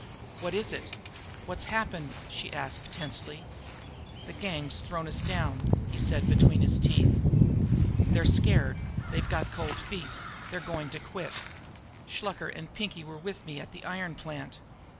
"What is it? What's happened?" she asked tensely. "The gang's thrown us down!" he said between his teeth. "They're scared; they've got cold feet they're going to quit. Shluker and Pinkie were with me at the iron plant.